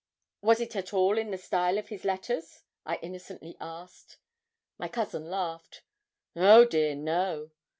'Was it at all in the style of his letters?' I innocently asked. My cousin laughed. 'Oh, dear, no!